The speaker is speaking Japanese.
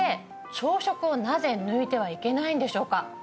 朝食をなぜ抜いてはいけないんでしょうか？